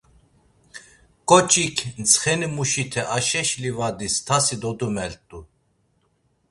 Ǩoçik, ntsxenimuşite Aşeş livadis tasi dodumelt̆u.